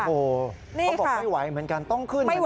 เขาบอกไม่ไหวเหมือนกันต้องขึ้นเหมือนกัน